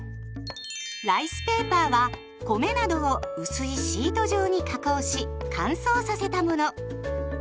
ライスペーパーは米などを薄いシート状に加工し乾燥させたもの。